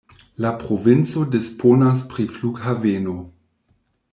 La provinco disponas pri flughaveno.